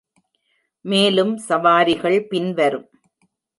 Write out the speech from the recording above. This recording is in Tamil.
மேலும் சவாரிகள் பின் வரும்.